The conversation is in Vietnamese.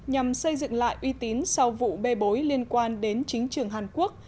nhằm xây dựng lại uy tín sau vụ bê bối liên quan đến chính trường hàn quốc